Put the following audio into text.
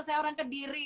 saya orang kediri